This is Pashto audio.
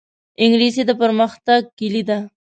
انګلیسي د پرمختګ کلي ده